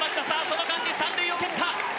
その間に３塁を蹴った。